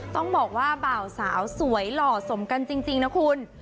ต้องบอกว่าบ่าวสาวสวยหล่อสมกันจริงนะคุณ